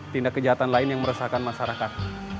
tindak kejahatan lain yang meresahkan masyarakat